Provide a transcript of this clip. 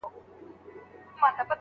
پیغام ته لومړۍ درجه او کلماتو